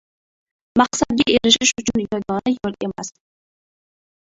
• Maqsadga erishish uchun yo‘l yagona emas.